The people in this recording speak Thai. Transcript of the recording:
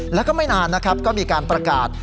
แล้วก็ไม่นานนะครับก็มีการประกาศ